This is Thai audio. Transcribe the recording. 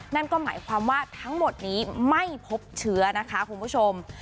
นั่นก็หมายความว่าทั้งหมดนี้ไม่พบเชื้อนะคะคุณผู้ชม